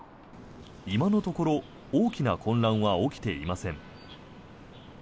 今のところ大きな混乱は起きていません。